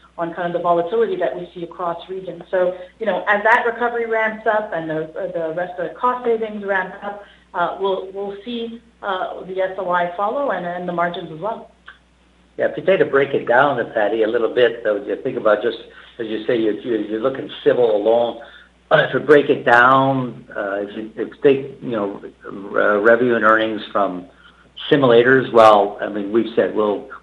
the volatility that we see across regions. As that recovery ramps up and the rest of the cost savings ramp up, we'll see the SOI follow and then the margins as well. Yeah. If you break it down, Fadi, a little bit though, as you say, you're looking civil along. To break it down, if you take revenue and earnings from simulators, well, we've said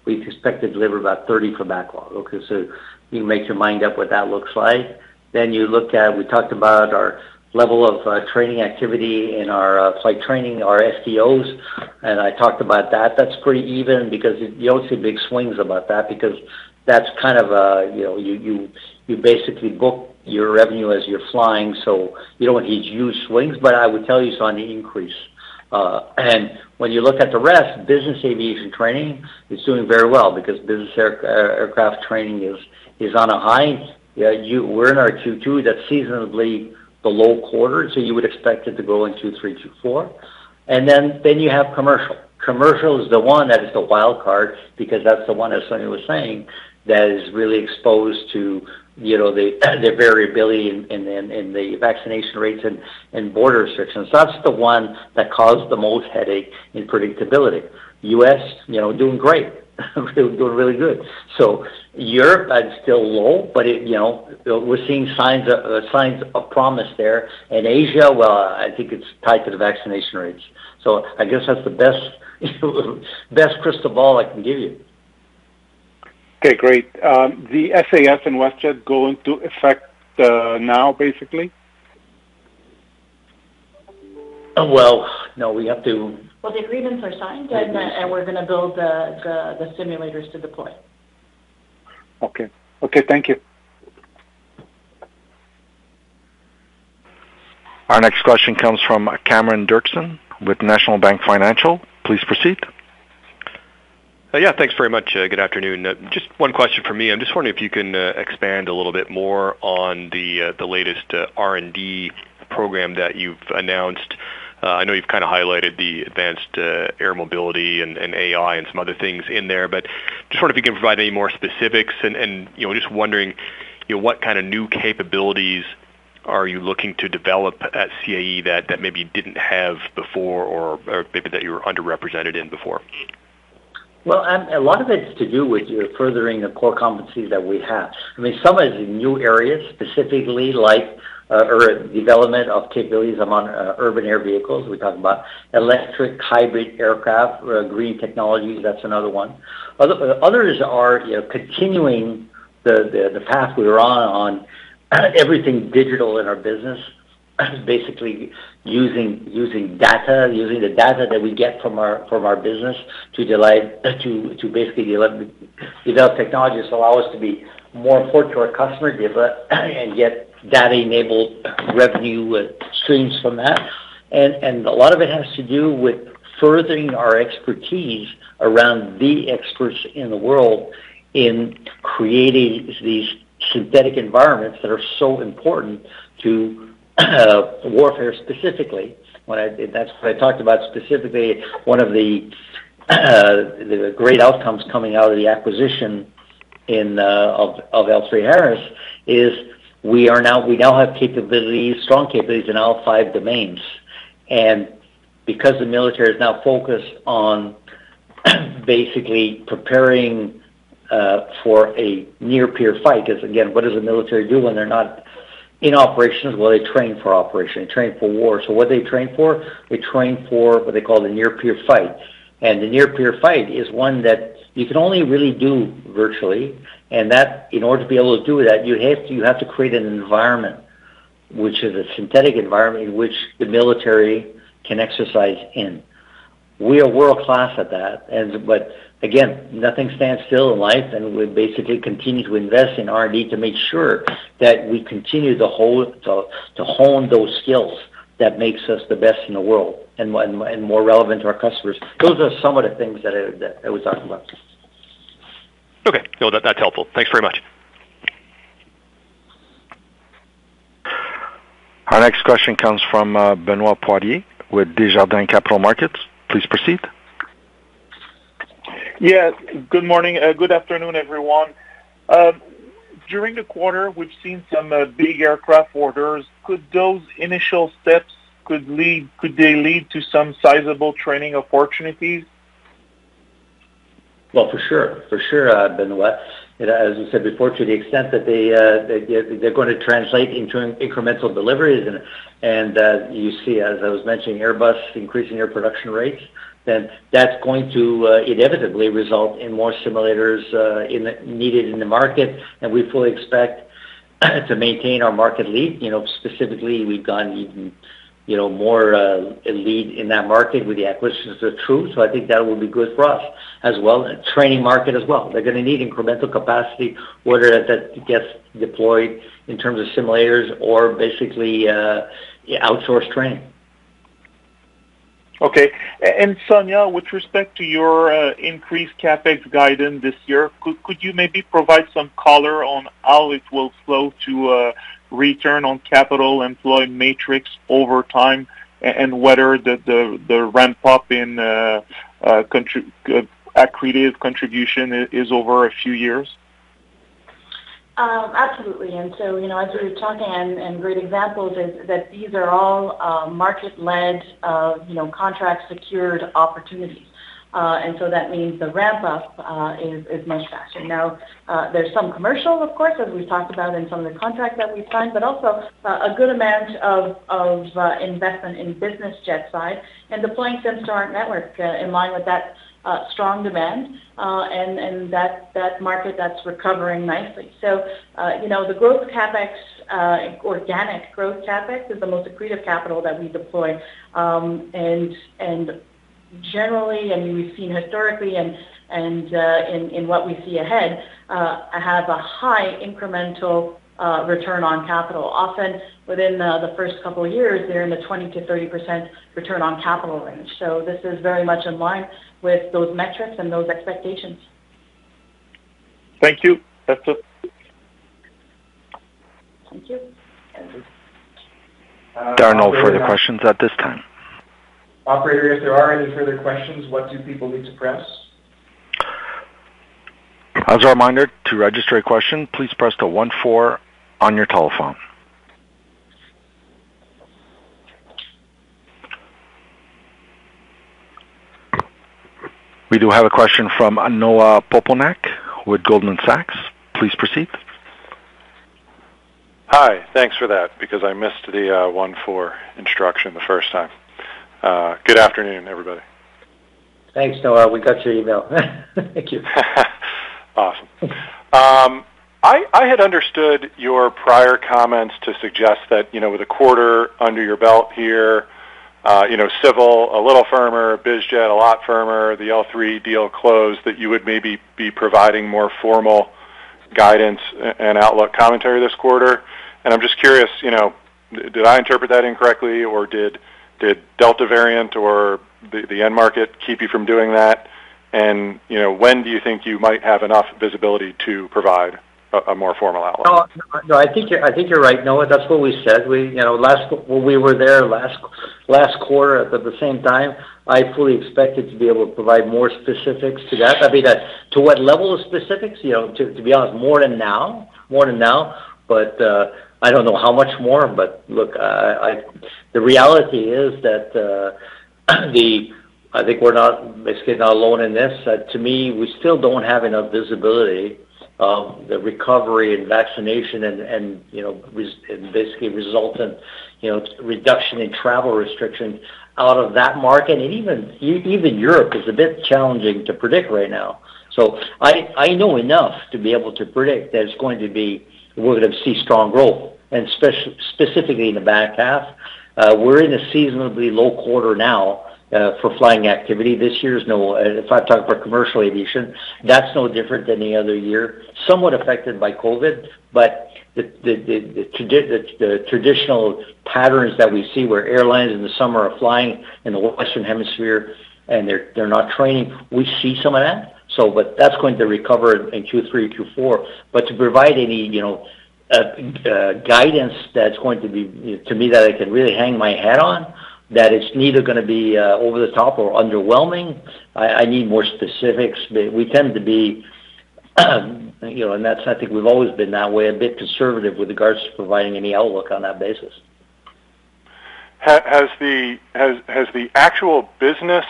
we expect to deliver about 30 for backlog. You can make your mind up what that looks like. You look at, we talked about our level of training activity in our flight training, our FTOs, and I talked about that. That's pretty even because you don't see big swings about that because that's kind of a. You basically book your revenue as you're flying, you don't want huge swings, but I would tell you it's on the increase. When you look at the rest, business aviation training is doing very well because business aircraft training is on a high. We're in our Q2. That's seasonably the low quarter, so you would expect it to go in Q3, Q4. Then you have commercial. Commercial is the one that is the wild card because that's the one, as Sonya was saying, that is really exposed to the variability in the vaccination rates and border restrictions. That's the one that caused the most headache in predictability. U.S., doing great. Doing really good. Europe, still low, but we're seeing signs of promise there. Asia, well, I think it's tied to the vaccination rates. I guess that's the best crystal ball I can give you. Okay, great. The SAS and WestJet go into effect now, basically? Well, no. Well, the agreements are signed, and we're going to build the simulators to deploy. Okay. Thank you. Our next question comes from Cameron Doerksen with National Bank Financial. Please proceed. Yeah. Thanks very much. Good afternoon. Just one question from me. I'm just wondering if you can expand a little bit more on the latest R&D program that you've announced. I know you've kind of highlighted the advanced air mobility and AI and some other things in there. Just wonder if you can provide any more specifics, and just wondering what kind of new capabilities are you looking to develop at CAE that maybe you didn't have before or maybe that you were underrepresented in before? Well, a lot of it is to do with furthering the core competencies that we have. Some is in new areas, specifically like development of capabilities among urban air vehicles. We are talking about electric hybrid aircraft, green technologies, that is another one. Others are continuing the path we were on everything digital in our business, basically using data, using the data that we get from our business to basically develop technologies to allow us to be more important to our customer base and get data-enabled revenue streams from that. A lot of it has to do with furthering our expertise around the experts in the world in creating these synthetic environments that are so important to warfare specifically. That is what I talked about specifically, one of the great outcomes coming out of the acquisition of L3Harris, is we now have strong capabilities in all five domains. Because the military is now focused on basically preparing for a near-peer fight, because again, what does the military do when they're not in operations? Well, they train for operations, they train for war. What do they train for? They train for what they call the near-peer fight. The near-peer fight is one that you can only really do virtually, and in order to be able to do that, you have to create an environment, which is a synthetic environment in which the military can exercise in. We are world-class at that. Again, nothing stands still in life, and we basically continue to invest in R&D to make sure that we continue to hone those skills that make us the best in the world, and more relevant to our customers. Those are some of the things that I was talking about. Okay. No, that's helpful. Thanks very much. Our next question comes from Benoit Poirier with Desjardins Capital Markets. Please proceed. Yes. Good morning. Good afternoon, everyone. During the quarter, we've seen some big aircraft orders. Could those initial steps, could they lead to some sizable training opportunities? Well, for sure, Benoit. As we said before, to the extent that they're going to translate into incremental deliveries, and you see, as I was mentioning, Airbus increasing their production rates, then that's going to inevitably result in more simulators needed in the market. We fully expect to maintain our market lead. Specifically, we've gotten even more a lead in that market with the acquisition of TRU, so I think that will be good for us as well, and training market as well. They're going to need incremental capacity, whether that gets deployed in terms of simulators or basically outsourced training. Okay. Sonya, with respect to your increased CapEx guidance this year, could you maybe provide some color on how it will flow to a return on capital employed matrix over time, and whether the ramp-up in accretive contribution is over a few years? Absolutely. As we were talking, and great examples, is that these are all market-led contract secured opportunities. That means the ramp-up is much faster. Now, there's some commercial, of course, as we've talked about in some of the contracts that we've signed, but also a good amount of investment in business jet side, and deploying them to our network in line with that strong demand, and that market that's recovering nicely. The growth CapEx, organic growth CapEx, is the most accretive capital that we deploy. Generally, we've seen historically, and in what we see ahead, have a high incremental return on capital. Often within the first couple of years, they're in the 20%-30% return on capital range. This is very much in line with those metrics and those expectations. Thank you. That's it. Thank you. Thank you. There are no further questions at this time. Operator, if there are any further questions, what do people need to press? As a reminder, to register a question, please press the one four on your telephone. We do have a question from Noah Poponak with Goldman Sachs. Please proceed. Hi. Thanks for that because I missed the one four instruction the first time. Good afternoon, everybody. Thanks, Noah. We got your email. Thank you. Awesome. I had understood your prior comments to suggest that with a quarter under your belt here, civil a little firmer, biz jet a lot firmer, the L3 deal closed, that you would maybe be providing more formal guidance and outlook commentary this quarter. I'm just curious, did I interpret that incorrectly, or did Delta variant or the end market keep you from doing that? When do you think you might have enough visibility to provide a more formal outlook? No, I think you're right, Noah. That's what we said. When we were there last quarter at the same time, I fully expected to be able to provide more specifics to that. To what level of specifics? To be honest, more than now. I don't know how much more. Look, the reality is that I think we're basically not alone in this. To me, we still don't have enough visibility of the recovery and vaccination, and basically result in reduction in travel restrictions out of that market. Even Europe is a bit challenging to predict right now. I know enough to be able to predict that we're going to see strong growth, and specifically in the back half. We're in a seasonably low quarter now for flying activity. This year, if I talk about commercial aviation, that's no different than any other year. Somewhat affected by COVID. The traditional patterns that we see where airlines in the summer are flying in the Western Hemisphere and they're not training, we see some of that. That's going to recover in Q3 or Q4. To provide any guidance that's going to be, to me, that I can really hang my hat on, that it's neither going to be over the top or underwhelming, I need more specifics. We tend to be, and I think we've always been that way, a bit conservative with regards to providing any outlook on that basis. Has the actual business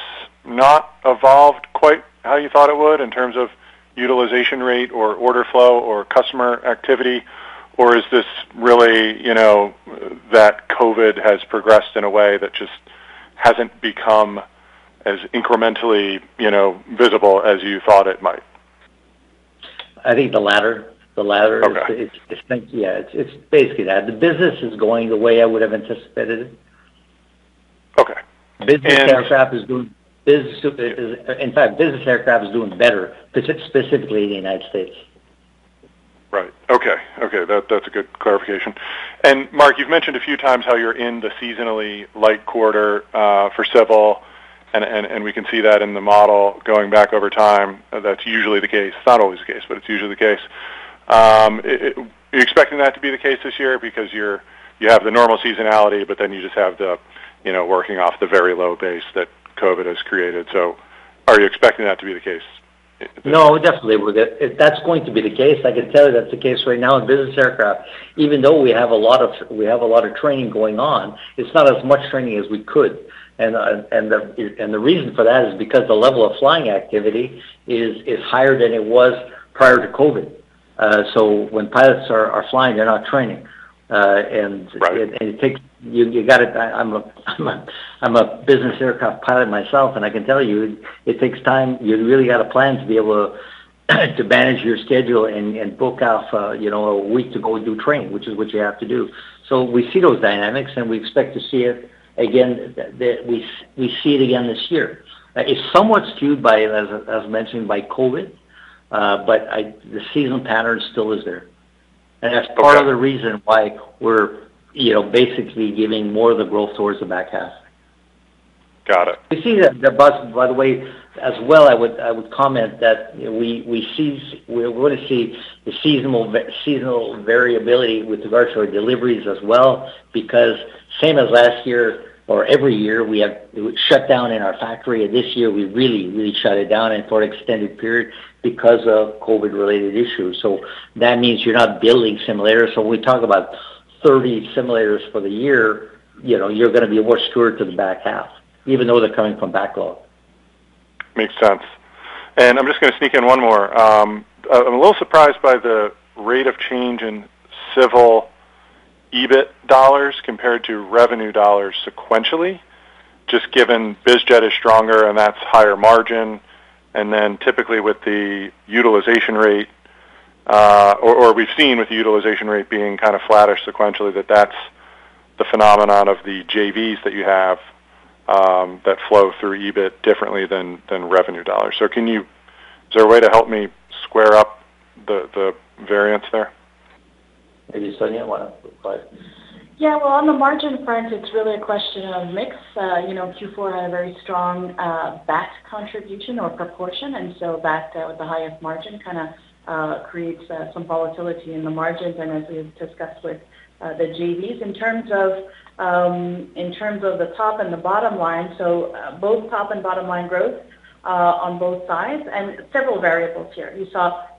not evolved quite how you thought it would in terms of utilization rate or order flow or customer activity? Or is this really that COVID has progressed in a way that just hasn't become as incrementally visible as you thought it might? I think the latter. Okay. It's basically that. The business is going the way I would've anticipated it. Okay. Business aircraft, in fact, business aircraft is doing better, specifically in the U.S. Right. Okay. That's a good clarification. Marc, you've mentioned a few times how you're in the seasonally light quarter for civil, and we can see that in the model going back over time. That's usually the case. It's not always the case, but it's usually the case. Are you expecting that to be the case this year? You have the normal seasonality, but then you just have the working off the very low base that COVID has created. Are you expecting that to be the case? No, definitely. That's going to be the case. I can tell you that's the case right now in business aircraft. Even though we have a lot of training going on, it's not as much training as we could. The reason for that is because the level of flying activity is higher than it was prior to COVID. When pilots are flying, they're not training. Right. I'm a business aircraft pilot myself, and I can tell you, it takes time. You really got to plan to be able to manage your schedule and book off a week to go and do training, which is what you have to do. We see those dynamics, and we expect to see it again this year. It's somewhat skewed, as mentioned, by COVID, but the seasonal pattern still is there. Okay. That's part of the reason why we're basically giving more of the growth towards the back half. Got it. By the way, as well, I would comment that we're going to see the seasonal variability with regards to our deliveries as well, because same as last year or every year, we have shut down in our factory, and this year we really shut it down and for an extended period because of COVID-related issues. That means you're not building simulators. When we talk about 30 simulators for the year, you're going to be more skewed to the back half, even though they're coming from backlog. Makes sense. I'm just going to sneak in one more. I'm a little surprised by the rate of change in Civil EBIT dollars compared to revenue dollars sequentially, just given biz jet is stronger and that's higher margin, and then typically with the utilization rate, or we've seen with the utilization rate being kind of flat-ish sequentially, that that's the phenomenon of the JVs that you have that flow through EBIT differently than revenue dollars. Is there a way to help me square up the variance there? Maybe Sonya, you want to reply? Yeah. On the margin front, it's really a question of mix. Q4 had a very strong BAT contribution or proportion. BAT with the highest margin kind of creates some volatility in the margins and as we have discussed with the JVs. In terms of the top and the bottom line, both top and bottom line growth on both sides, and several variables here. You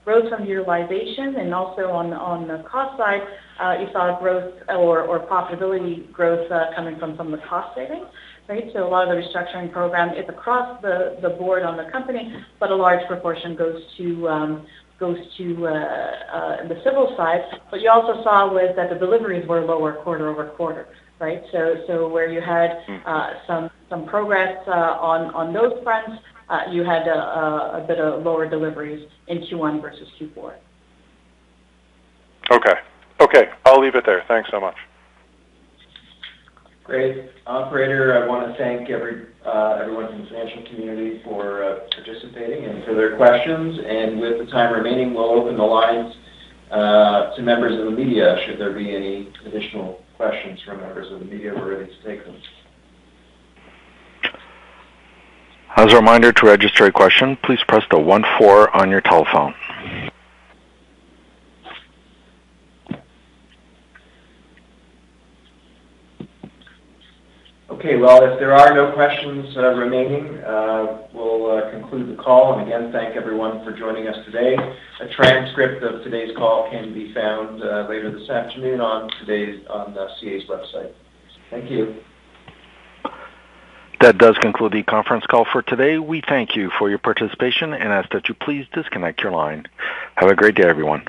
saw growth from utilization and also on the cost side you saw growth or profitability growth coming from the cost savings, right? A lot of the restructuring program is across the board on the company, but a large proportion goes to the civil side. You also saw that the deliveries were lower quarter-over-quarter, right? Some progress on those fronts, you had a bit of lower deliveries in Q1 versus Q4. Okay. I'll leave it there. Thanks so much. Great. Operator, I want to thank everyone from the financial community for participating and for their questions. With the time remaining, we'll open the lines to members of the media should there be any additional questions from members of the media. We're ready to take those. As a reminder, to register a question, please press the one four on your telephone. Okay, well, if there are no questions remaining, we'll conclude the call. Again, thank everyone for joining us today. A transcript of today's call can be found later this afternoon on the CAE's website. Thank you. That does conclude the conference call for today. We thank you for your participation and ask that you please disconnect your line. Have a great day, everyone.